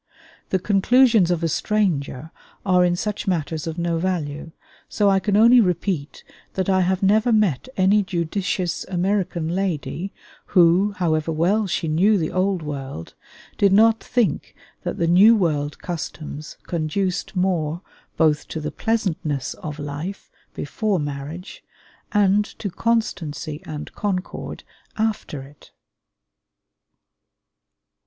The conclusions of a stranger are in such matters of no value; so I can only repeat that I have never met any judicious American lady who, however well she knew the Old World, did not think that the New World customs conduced more both to the pleasantness of life before marriage, and to constancy and concord after it.